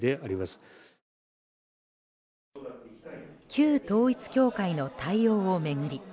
旧統一教会の対応を巡り